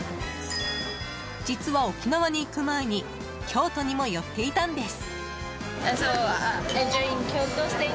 実は、沖縄に行く前に京都にも寄っていたんです。